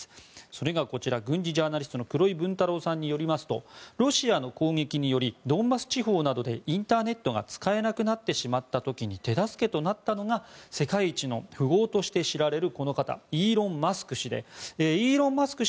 それがこちら軍事ジャーナリストの黒井文太郎さんによりますとロシアの攻撃によりドンバス地方などでインターネットが使えなくなってしまった時に手助けとなったのが世界一の富豪として知られるこの方、イーロン・マスク氏でイーロン・マスク